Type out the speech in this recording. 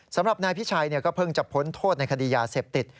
สำหรับนายพิชัยก็เพิ่งจะพ้นโทษในคดียาเสพติด